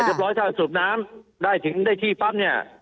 หลังจากต้นสูบน้ำได้ถึงได้ที่ปั๊บ